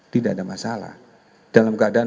tidak ada masalah dalam keadaan